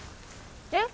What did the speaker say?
えっ？